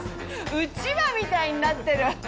うちわみたいになってる。